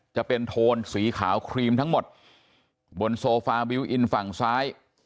จะเป็นโทนสีขาวครีมทั้งหมดบนโซฟาบิวอินฝั่งซ้าย